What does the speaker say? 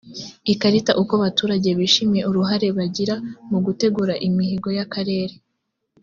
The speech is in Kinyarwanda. ikarita uko abaturage bishimiye uruhare bagira mu gutegura imihigo y akarere